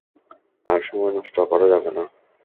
আর সময় নষ্ট করা যাবে না।